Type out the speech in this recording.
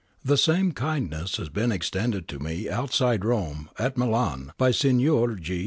X PREFACE The same kindness has been extended to me outside Rome, at Milan by Signor G.